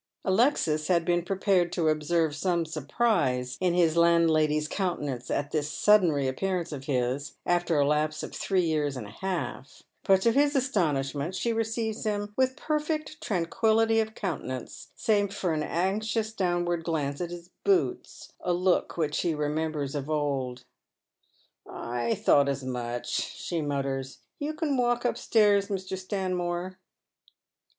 Alexis had been prepared to observe some surprise in his landlady's countenance at this sudden reappearance of his, after a lapse of three years and a half, but to his astonishment she receives him with perfect tranquillity of countenance, save for an anxious downward glance at his boots, a look which he remembers of old. " I thouglit as mu<.a," she mutters. " You can walk upstairs, Mr. Stanmore."